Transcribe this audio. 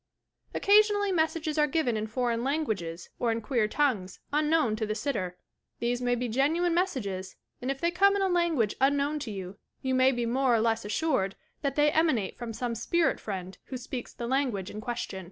■ Occasionally messages are given in foreign languages or in queer tongues, unknown to the sitter. These may be genuine messages and if they come in a language unknown to you, you may be more or less assured that they emanate from some spirit friend who speaks the langnage in question.